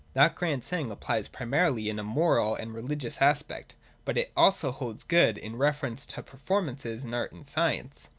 That grand saying applies primarily in a moral and religious aspect, but it also holds good in reference to performances in art and science.